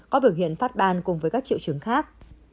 có biểu hiện phát ban cùng với các triệu chứng khác